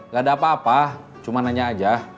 gak ada apa apa cuma nanya aja